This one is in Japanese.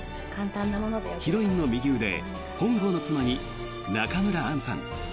ヒロインの右腕・本郷の妻に中村アンさん。